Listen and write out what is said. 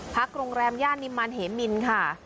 โรงแรมย่านนิมมันเหมินค่ะ